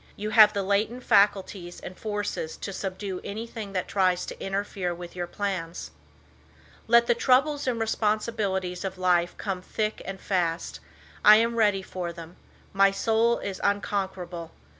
You have the latent faculties and forces to subdue anything that tries to interfere with your plans. "Let the troubles and responsibilities of life come thick and fas t. I am ready for them. My soul is unconquerable.